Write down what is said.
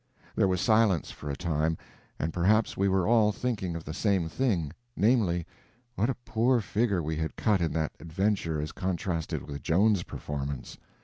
There was silence for a time, and perhaps we were all thinking of the same thing—namely, what a poor figure we had cut in that adventure as contrasted with Joan's performance.